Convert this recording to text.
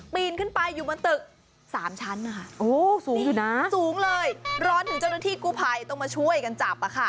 ปีนขึ้นไปอยู่บนตึก๓ชั้นสูงเลยร้อนถึงเจ้าหน้าที่กุภัยต้องมาช่วยกันจับ